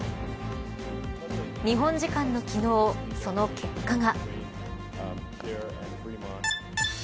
日本時間の昨日その結果が。